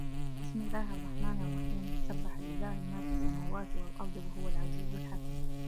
بِسمِ اللَّهِ الرَّحمنِ الرَّحيمِ سَبَّحَ لِلَّهِ ما فِي السَّماواتِ وَالأَرضِ وَهُوَ العَزيزُ الحَكيمُ